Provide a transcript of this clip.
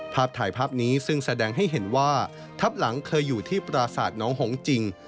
ภาพถ่ายภาพนี้ซึ่งแสดงให้เห็นว่าทับหลังเคยอยู่ที่ปราศาสตร์น้องหงจริง